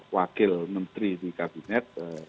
wakil menteri di kabinet